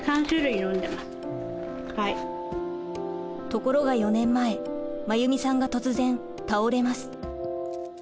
ところが４年前真由美さんが突然倒れます。